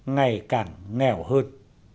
ngày càng nghèo hơn